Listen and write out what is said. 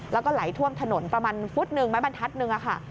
แล้วก็ไหลท่วมถนนประมาณขึ้น๑กิโลกรัมไม้บรรทัด๑ค่ะ